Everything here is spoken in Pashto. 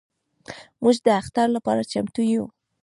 موږ د اختر لپاره چمتو یو.